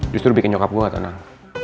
justru bikin nyokap gue gak tenang